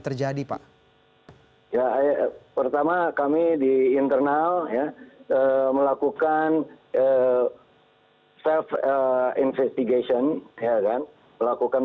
terjadi pak ya pertama kami di internal ya melakukan eh self investigation heran melakukan